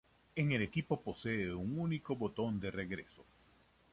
En el equipo posee un único botón de regreso.